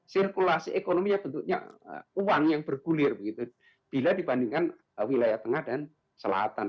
sirkulasi ekonominya bentuknya uang yang bergulir begitu bila dibandingkan wilayah tengah dan selatan